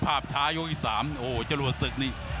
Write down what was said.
ภาพช้ายกที่๓โอ้โหจรวดศึกนี่